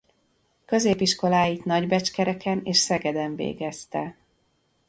Középiskoláit Nagybecskereken és Szegeden végezte.